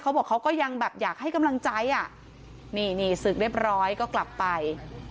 เขาบอกเขาก็ยังแบบอยากให้กำลังใจอ่ะนี่นี่ศึกเรียบร้อยก็กลับไป